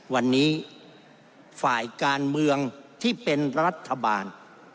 วันนี้ฝ่ายการเมืองที่เป็นรัฐบาล